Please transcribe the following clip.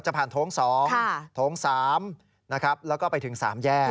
จะผ่านโถง๒โถง๓แล้วก็ไปถึง๓แยก